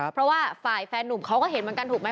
เพราะว่าฝ่ายแฟนนุ่มเขาก็เห็นเหมือนกันถูกไหม